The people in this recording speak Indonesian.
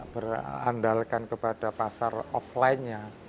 berandalkan kepada pasar offline nya